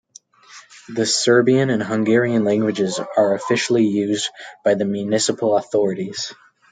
The Serbian and Hungarian languages are officially used by the municipal authorities.